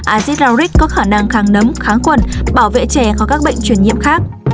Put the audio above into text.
axit lauric có khả năng kháng nấm kháng khuẩn bảo vệ trẻ khỏi các bệnh truyền nhiễm khác